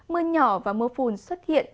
mưa nhỏ và mưa phùn xuất hiện